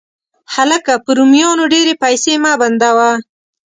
هلکه، په رومیانو ډېرې پیسې مه بندوه.